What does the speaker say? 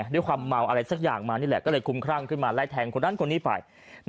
ด้วยความเมาอะไรสักอย่างมานี่แหละก็เลยคุ้มครั่งขึ้นมาไล่แทงคนนั้นคนนี้ไป